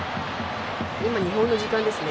今、日本の時間ですね。